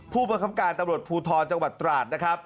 ผู้ประคับการตำรวจภูทรจังหวัดตราด